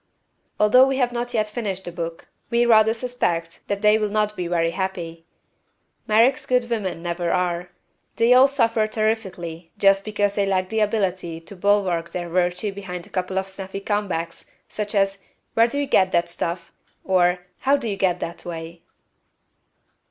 Although we have not yet finished the book, we rather suspect that they will not be very happy. Merrick's good women never are. They all suffer terrifically just because they lack the ability to bulwark their virtue behind a couple of snappy comebacks, such as, "Where do you get that stuff?" or, "How do you get that way?"